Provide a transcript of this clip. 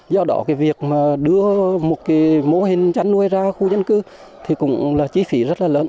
do đó cái việc mà đưa một cái mô hình chăn nuôi ra khu dân cư thì cũng là chi phí rất là lớn